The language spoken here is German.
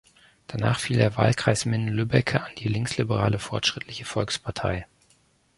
Danach fiel der Wahlkreis Minden-Lübbecke an die linksliberale Fortschrittliche Volkspartei.